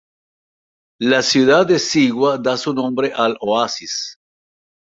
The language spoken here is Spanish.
La ciudad de Siwa da su nombre al oasis.